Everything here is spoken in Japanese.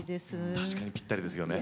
確かにぴったりですよね。